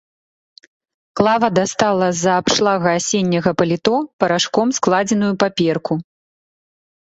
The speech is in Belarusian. Клава дастала з-за абшлага асенняга паліто парашком складзеную паперку.